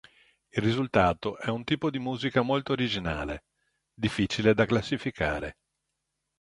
Il risultato è un tipo di musica molto originale, difficile da classificare.